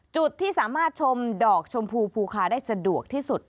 จุดที่สามารถชมดอกชมพูภูคาได้สะดวกที่สุด